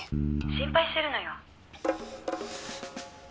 「心配してるのよ」